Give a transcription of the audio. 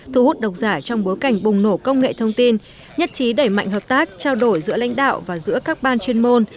thu hút độc giả trong bối cảnh bùng nổ công nghệ thông tin nhất trí đẩy mạnh hợp tác trao đổi giữa lãnh đạo và giữa các ban chuyên môn